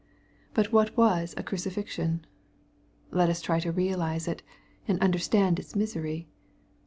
But what was a crucifixion ? Let us try to realize it, and understand its misery.